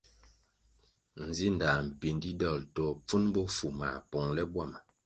Nzinda mpindi dol to pfun bofu mā pongʼle bwama.